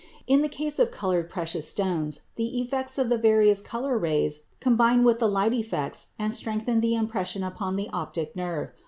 In the case of colored precious stones, the effects of the various color rays combine with the light effects and strengthen the impression upon the optic nerve.